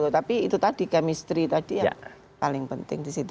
tapi itu tadi kemistri tadi yang paling penting disitu